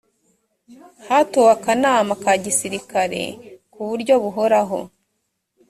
hatowe akanama ka gisirikare ku buryo buhoraho